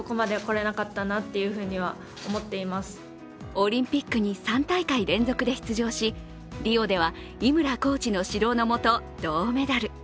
オリンピックに３大会連続で出場しリオでは井村コーチの指導の下、銅メダル。